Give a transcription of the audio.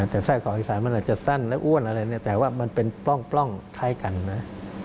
แต่ไส้กรอกอีสานมันอาจจะสั้นและอ้วนอะไรเนี่ยแต่ว่ามันเป็นปล้องคล้ายกันนะ